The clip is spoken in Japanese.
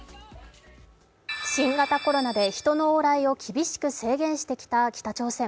新型コロナで人の往来を厳しく制限してきた北朝鮮。